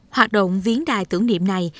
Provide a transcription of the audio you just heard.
hoạt động viếng đài tưởng niệm này